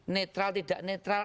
netral tidak netral